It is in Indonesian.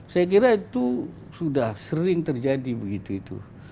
saya kira itu sudah sering terjadi begitu itu